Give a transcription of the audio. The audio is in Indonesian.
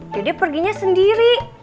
dede perginya sendiri